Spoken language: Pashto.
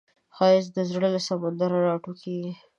ښایست د زړه له سمندر راټوکېږي